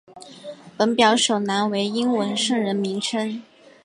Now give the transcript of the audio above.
本表首栏为英文圣人名称。